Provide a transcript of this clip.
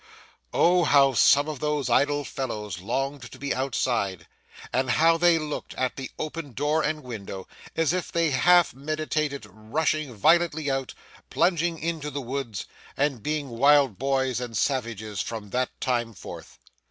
Oh! how some of those idle fellows longed to be outside, and how they looked at the open door and window, as if they half meditated rushing violently out, plunging into the woods, and being wild boys and savages from that time forth.